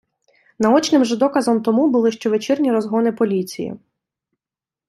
Наочним же доказом тому були щовечірні розгони поліції.